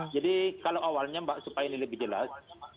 jadi kalau awalnya mbak supaya ini lebih jelas